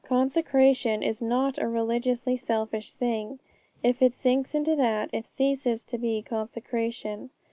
Consecration is not a religiously selfish thing. If it sinks into that, it ceases to be consecration.